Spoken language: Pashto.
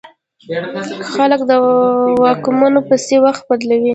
خلک د واکمنو پسې وخت بدلوي.